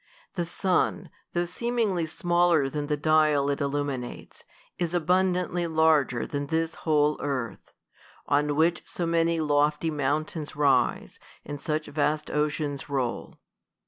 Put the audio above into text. The sun, though seem ingly smaller than the dial it illuminates, is abundant ly larger than this v.hole earth ; on which so manyjlofty mountains rise, and such vast oceans roll.